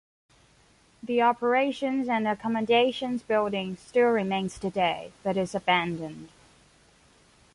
The Operations and Accommodations building still remains today but is abandoned.